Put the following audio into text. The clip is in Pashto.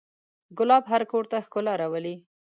ګلاب هر کور ته ښکلا راولي.